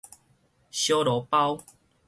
燒烙包